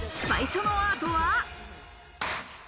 最初のアートは。